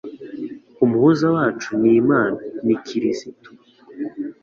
umuhuza wacu ni Imana ni kirisito